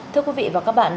thưa quý vị và các bạn